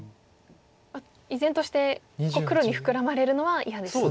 依然として黒にフクラまれるのは嫌ですね。